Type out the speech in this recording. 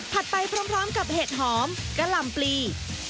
ไปพร้อมกับเห็ดหอมกะลำปลี